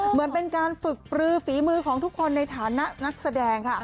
เหมือนเป็นการฝึกปลือฝีมือของทุกคนในฐานะนักแสดงค่ะ